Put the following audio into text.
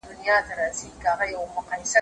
د نېكيو او بديو بنياد څه دئ